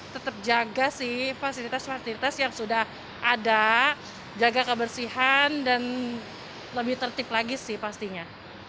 tetap jaga sih fasilitas fasilitas yang sudah ada jaga kebersihan dan lebih tertib lagi sih pastinya